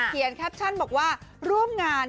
แคปชั่นบอกว่าร่วมงาน